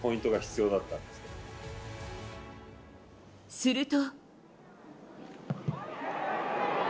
すると。